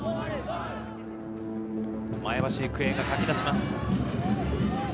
前橋育英がかき出します。